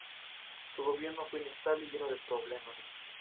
Su gobierno fue inestable y lleno de problemas.